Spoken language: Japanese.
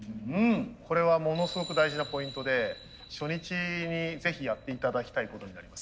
これはものすごく大事なポイントで初日にぜひやって頂きたいことになります。